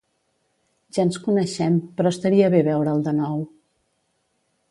Ja ens coneixem, però estaria bé veure'l de nou.